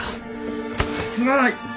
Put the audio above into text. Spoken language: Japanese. すまない！